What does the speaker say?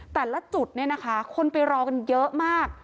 แต่ละจุดคนไปรอกันเยอะมาก